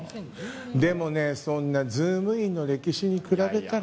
でもね、そんなズームイン！！の歴史に比べたら。